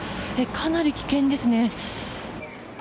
かなり危険ですね。